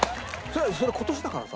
それ今年だからさ。